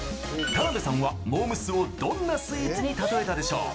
田辺さんはモー娘。をどんなスイーツに例えたでしょう。